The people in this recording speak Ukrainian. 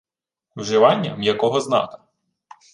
Вживання м'якого знака